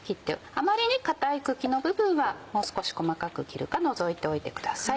あまり硬い茎の部分はもう少し細かく切るか除いておいてください。